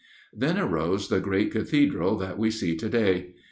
Then arose the great Cathedral that we see to day.